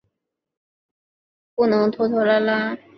不拖拖拉拉。